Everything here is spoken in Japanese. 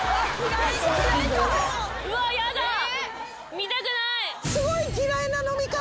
見たくない。